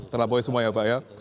terlampaui semua ya pak ya